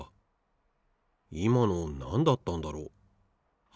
いまのなんだったんだろう？